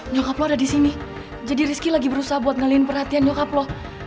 nyokap lo ada di sini jadi rizky lagi berusaha buat ngaliin perhatian nyokap loh